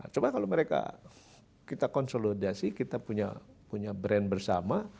coba kalau mereka kita konsolidasi kita punya brand bersama